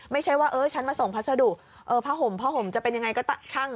ไม่ใช่ว่าเออฉันมาส่งพัสดุผ้าห่มผ้าห่มจะเป็นยังไงก็ช่าง